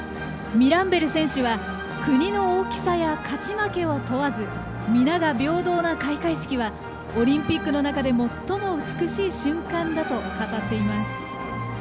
ミランベル選手は「国の大きさや勝ち負けを問わず皆が平等な開会式はオリンピックの中で最も美しい瞬間だ」と語っています。